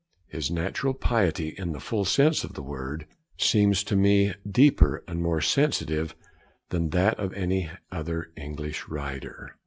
His natural piety, in the full sense of the word, seems to me deeper and more sensitive than that of any other English writer.